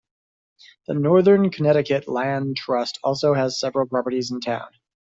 The Northern Connecticut Land Trust also has several properties in town.